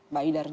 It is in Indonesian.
baidah dan ya